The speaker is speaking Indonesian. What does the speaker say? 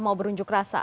mau berunjuk rasa